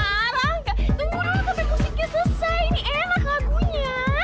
aaaa rangga tunggu dulu sampe musiknya selesai ini enak lagunya